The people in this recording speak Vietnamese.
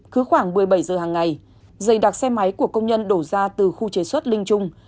cứ khoảng một mươi bảy giờ hằng ngày dày đặc xe máy của công nhân đổ ra từ khu chế xuất linh trung